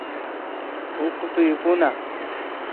Uku suyukuna